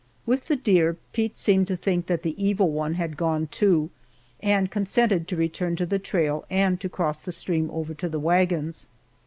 With the deer, Pete seemed to think that the Evil One had gone, too, and consented to return to the trail and to cross the stream over to the wagons.